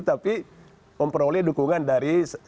tapi memperoleh dukungan dari